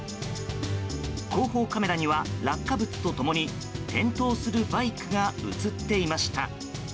後方カメラには落下物と共に転倒するバイクが映っていました。